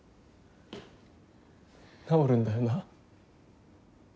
治るんだよな？